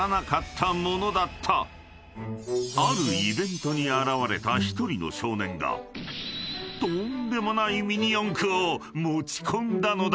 ［あるイベントに現れた１人の少年がとんでもないミニ四駆を持ち込んだのだ］